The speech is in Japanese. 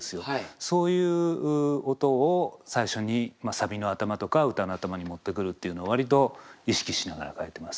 そういう音を最初にサビの頭とか歌の頭に持ってくるっていうのを割と意識しながら書いてます。